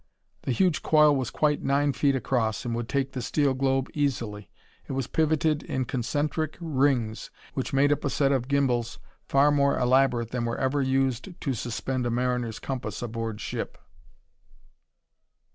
The huge coil was quite nine feet across and would take the steel globe easily. It was pivoted in concentric rings which made up a set of gymbals far more elaborate than were ever used to suspend a mariner's compass aboard ship.